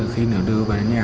khi đưa về đến nhà